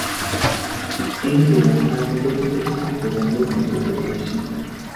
India has a different perspective on this interpretation.